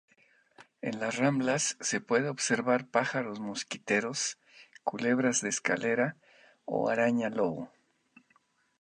En las ramblas se puede observar pájaros mosquiteros, culebras de escalera o araña lobo.